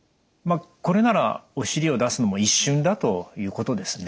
これならお尻を出すのも一瞬だということですね。